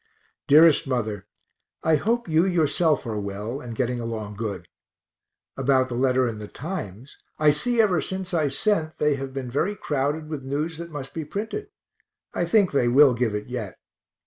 Dearest mother, I hope you yourself are well, and getting along good. About the letter in the Times, I see ever since I sent they have been very crowded with news that must be printed I think they will give it yet.